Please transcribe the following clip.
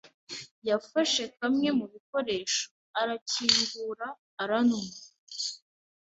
yafashe kamwe mu bikoresho, arakingura, aranywa.